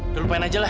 dulu pengen aja lah